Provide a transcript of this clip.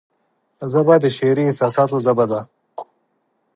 ژبه د شعري احساساتو ژبه ده